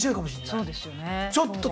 そうですよね。